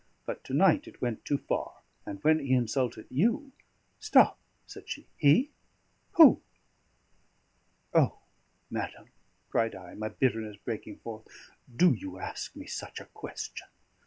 But to night it went too far, and when he insulted you " "Stop," said she. "He? Who?" "O! madam," cried I, my bitterness breaking forth, "do you ask me such a question?